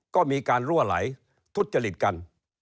ก็มีการรั่วไหลทุจริตกัน